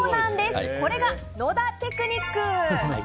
これが野田テクニック！